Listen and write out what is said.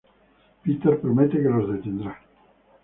Peter promete que los detendrá.